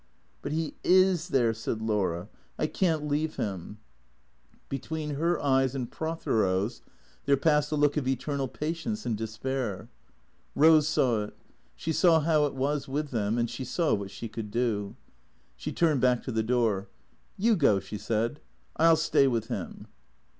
" But he is there," said Laura. " I can't leave him." 224 THECEEATORS Between her eyes and Prothero's there passed a look of eternal patience and despair. Eose saw it. She saw how it was with them, and she saw what she could do. She turned back to the door. " You go/' she said. " I '11 stay with him."